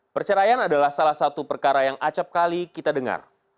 perceraian adalah salah satu perkara yang acapkali kita dengar